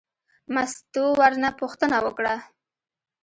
مستو ورنه پوښتنه وکړه.